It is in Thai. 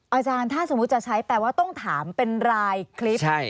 อาจารย์ถ้าสมมุติจะใช้แปลว่าต้องถามเป็นรายคลิป